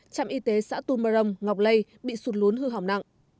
trạm y tế xã tum marong ngọc lây bị sụt lún hư hỏng nặng